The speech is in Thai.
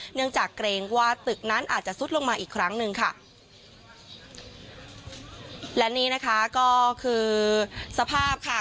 เนื่องจากเกรงว่าตึกนั้นอาจจะซุดลงมาอีกครั้งหนึ่งค่ะและนี่นะคะก็คือสภาพค่ะ